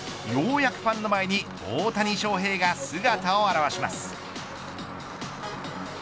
ようやくファンの前に大谷翔平が姿を現します。